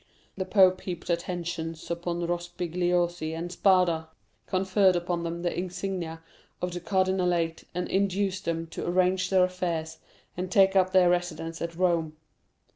The pope heaped attentions upon Rospigliosi and Spada, conferred upon them the insignia of the cardinalate, and induced them to arrange their affairs and take up their residence at Rome.